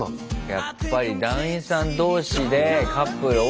やっぱり団員さん同士でカップル多いよな。